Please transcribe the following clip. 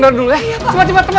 merupakan siapa asan ku physique